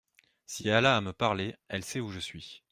Si elle a à me parler, elle sait où je suis.